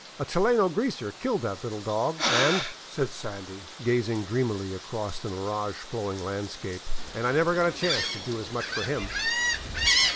A chileno greaser killed that little dog," said " Sandy," gazing dreamily across the mirage flowing landscape, and I never got a chance to do as much for him."